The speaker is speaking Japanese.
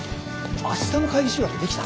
明日の会議資料ってできた？